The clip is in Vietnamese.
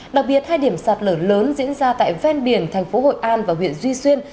đặc biệt hai điểm sạt lở lớn diễn ra tại ven biển thành phố hội an và huyện duy xuyên